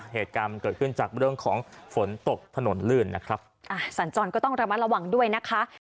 เหตุการณ์เกิดขึ้นจากเรื่องของฝนตกถนนลื่นนะครับอ่าสัญจรก็ต้องระมัดระวังด้วยนะคะ